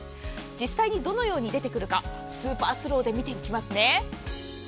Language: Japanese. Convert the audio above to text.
実際にどのように出てくるかスーパースローで見ていきます。